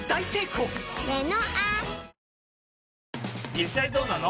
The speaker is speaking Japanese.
実際どうなの？